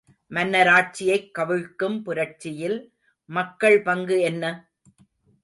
மன்னராட்சியைக் கவிழ்க்கும் புரட்சியில் மக்கள் பங்கு என்ன?